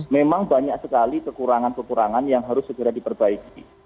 memang banyak sekali kekurangan kekurangan yang harus segera diperbaiki